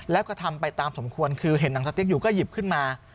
แล้วก็ทำไปตามสมควรคือเห็นหนังสติ๊กอยู่ก็หยิบขึ้นมา